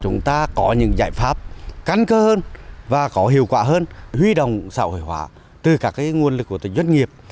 chúng ta có những giải pháp căn cơ hơn và có hiệu quả hơn huy động xã hội hóa từ các nguồn lực của từng doanh nghiệp